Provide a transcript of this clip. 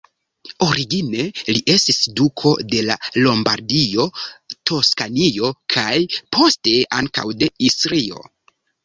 Origine, li estis duko de Lombardio, Toskanio kaj, poste, ankaŭ de Istrio.